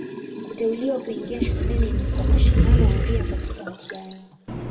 Kuteuliwa kuingia shuleni ni kwa mashindano huria katika mtihani.